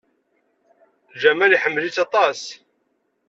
Jamal iḥemmel-itt aṭas.